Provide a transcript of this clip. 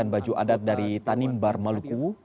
baju adat dari tanimbar maluku